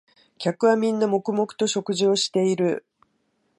客はみんな黙々と食事をしている